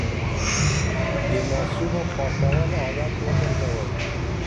د لاسونو پاکول عادت وګرځوئ.